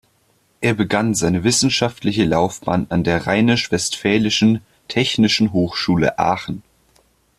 Er begann seine wissenschaftliche Laufbahn an der Rheinisch-Westfälischen Technischen Hochschule Aachen.